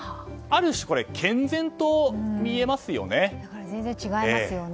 ある種、健全と見えますよね。